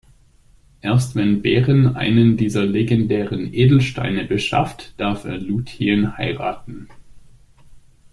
Erst wenn Beren einen dieser legendären Edelsteine beschafft, darf er Lúthien heiraten.